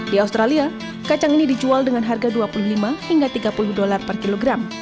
di australia kacang ini dijual dengan harga dua puluh lima hingga tiga puluh dolar per kilogram